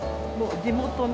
地元の。